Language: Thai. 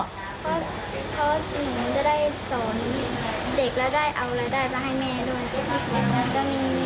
เพราะหนูจะได้สอนเด็กแล้วได้เอารายได้มาให้แม่ด้วย